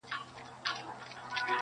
د غزل عنوان مي ورکي و ښکلا ته-